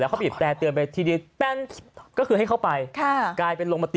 ใช่ครับเพิ่ง๒๓วันที่แล้วก็บ่อยเดินไม่ได้ครับ